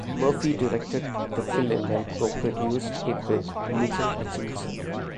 Murphy directed the film and co-produced it with Nigel Hutchinson.